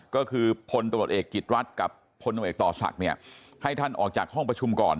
ก็คือพลตรเอกกิจรัฐกับพลตรเอกต่อสัตว์ให้ท่านออกจากห้องประชุมก่อน